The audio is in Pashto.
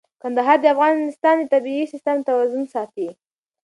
کندهار د افغانستان د طبعي سیسټم توازن ساتي.